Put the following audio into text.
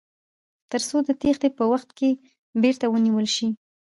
تر څو د تیښتې په وخت کې بیرته ونیول شي.